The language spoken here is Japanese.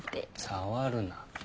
触るな。